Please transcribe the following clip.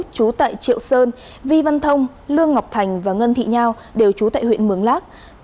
chú tại triệu sơn vi văn thông lương ngọc thành và ngân thị nhao đều trú tại huyện mường lát